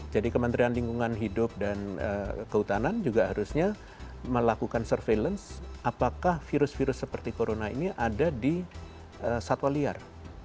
jadi kementerian lingkungan hidup dan kehutanan juga harusnya melakukan surveillance apakah virus virus seperti corona ini ada di satwa liar